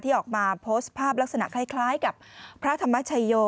ออกมาโพสต์ภาพลักษณะคล้ายกับพระธรรมชโย